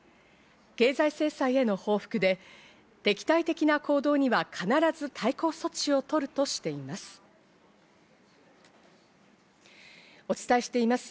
経済制裁への報復で、敵対的な行動には必ず対抗措置を取るとしています。